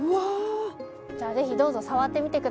じゃあぜひどうぞ触ってみてください。